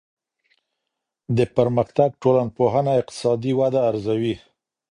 د پرمختګ ټولنپوهنه اقتصادي وده ارزوي.